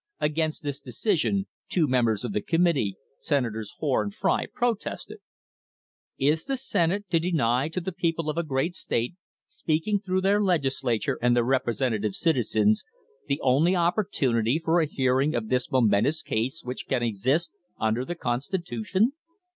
* Against this decision two members of the committee, Senators Hoar and Frye, protested: " Is the Senate to deny to the people of a great state, speaking through their Legisla ture and their representative citizens, the only opportunity for a hearing of this momen tous case which can exist under the constitution